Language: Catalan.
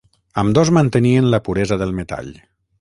Ambdós mantenien la puresa del metall.